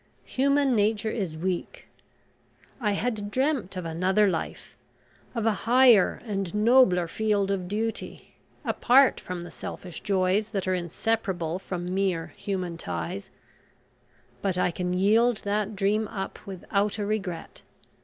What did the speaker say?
Human nature is weak. I had dreamt of another life of a higher and nobler field of duty, apart from the selfish joys that are inseparable from mere human ties but I can yield that dream up without a regret.